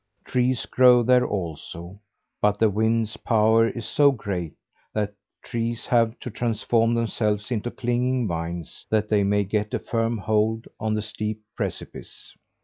Trees grow there also, but the wind's power is so great that trees have to transform themselves into clinging vines, that they may get a firm hold on the steep precipices.